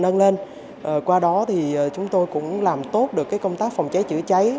bà con cũng được nâng lên qua đó thì chúng tôi cũng làm tốt được công tác phòng cháy trễ cháy